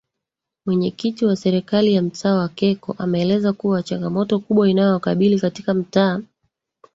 Mwenyekiti wa Serikali ya mtaa wa Keko ameeleza kuwa changamoto kubwa inayowakabili katika mtaa